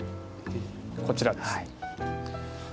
こちらです。